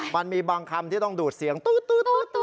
มันมีบางคำที่ต้องดูดเสียงตู๊ด